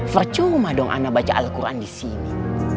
fercuma dong ana baca alquran disini